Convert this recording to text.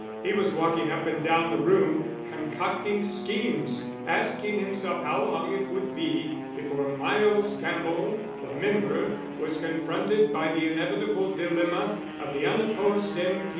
He was walking up and down the room concocting schemes asking himself how long it would be before Miles Campbell, the member, was confronted by the inevitable dilemma of the unopposed M.